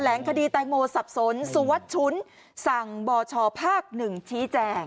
ลงคดีแตงโมสับสนสุวัสดิ์ชุ้นสั่งบชภาค๑ชี้แจง